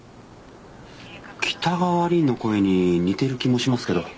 北川凛の声に似てる気もしますけど。